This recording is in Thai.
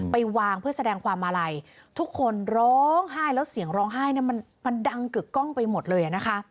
ไปวางเพื่อแสดงความอาลัยทุกคนร้องไห้แล้วเสียงร้องไห้เนี่ยมันดังกึกกล้องไปหมดเลยนะคะ